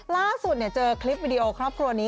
ล่าสุดเจอคลิปวิดีโอครอบครัวนี้